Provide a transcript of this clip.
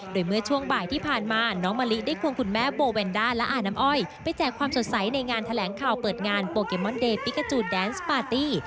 โดยเมื่อช่วงบ่ายที่ผ่านมาน้องมะลิได้ควงคุณแม่โบแวนด้าและอาน้ำอ้อยไปแจกความสดใสในงานแถลงข่าวเปิดงานโปเกมอนเดย์ปิกาจูนแดนส์ปาร์ตี้